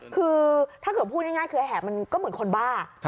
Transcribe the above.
คือถ้าเกิดพูดง่ายคือแหบมันก็เหมือนคนบ้า